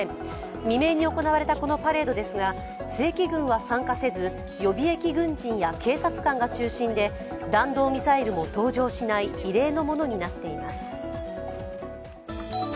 未明に行われたこのパレードですが正規軍は参加せず、予備役軍人や警察官が中心で弾道ミサイルも登場しない異例のものになっています。